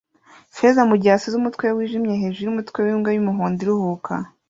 feza mugihe asize umutwe we wijimye hejuru yumutwe wimbwa yumuhondo iruhuka